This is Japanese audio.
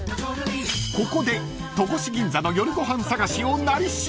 ［ここで戸越銀座の夜ご飯探しを「なり調」］